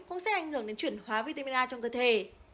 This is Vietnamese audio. cũng sẽ ảnh hưởng đến chuyển hóa vitamin a trong cơ thể